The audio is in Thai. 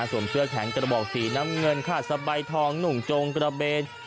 เสื้อแขนกระบอกสีน้ำเงินค่ะสะใบทองหนุ่มจงกระเบน